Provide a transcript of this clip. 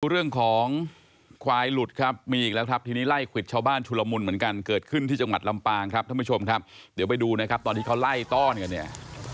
เรื่องของควายหลุดครับมีอีกแล้วครับทีนี้ไล่ควิดชาวบ้านชุลมุนเหมือนกันเกิดขึ้นที่จังหวัดลำปางครับท่านผู้ชมครับเดี๋ยวไปดูนะครับตอนที่เขาไล่ต้อนกันเนี่ย